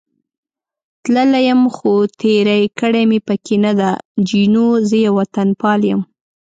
تللی یم، خو تېر کړې مې پکې نه ده، جینو: زه یو وطنپال یم.